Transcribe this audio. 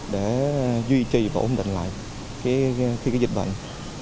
để duy trì và ổn định lại khi có dịch bệnh